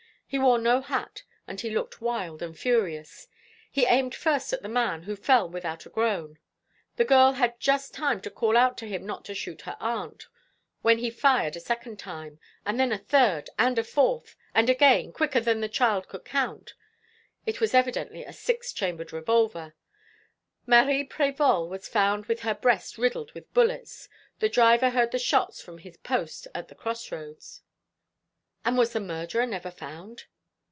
He wore no hat, and he looked wild and furious. He aimed first at the man, who fell without a groan. The girl had just time to call out to him not to shoot her aunt, when he fired a second time, and then a third and a fourth, and again, quicker than the child could count. It was evidently a six chambered revolver. Marie Prévol was found with her breast riddled with bullets. The driver heard the shots from his post at the cross roads." "And was the murderer never found?"